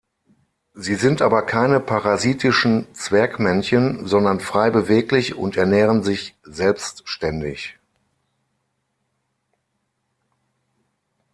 Sie sind aber keine parasitischen Zwergmännchen, sondern frei beweglich und ernähren sich selbstständig.